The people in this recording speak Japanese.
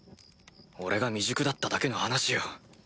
俺が未熟だっただけの話よ。